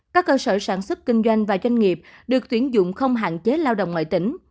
các cơ sở sản xuất kinh doanh và doanh nghiệp được tuyển dụng không hạn chế lao động ngoại tỉnh